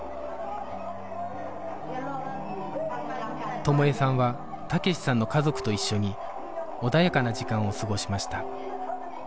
友枝さんは武志さんの家族と一緒に穏やかな時間を過ごしました